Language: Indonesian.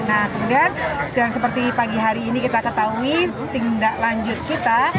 nah kemudian seperti pagi hari ini kita ketahui tindak lanjut kita